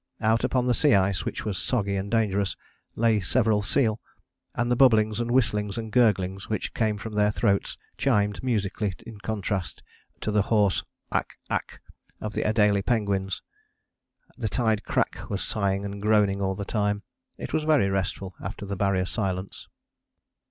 Out upon the sea ice, which was soggy and dangerous, lay several seal, and the bubblings and whistlings and gurglings which came from their throats chimed musically in contrast to the hoarse aak, aak, of the Adélie penguins: the tide crack was sighing and groaning all the time: it was very restful after the Barrier silence.